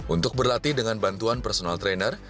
untuk berlatih dengan bantuan personal trainer